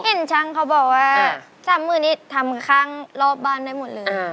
เห็นชั้นเขาบอกว่า๓หมื่นนี่ทำครั้งรอบบ้านได้หมดเลย